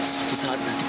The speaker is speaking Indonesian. suatu saat nanti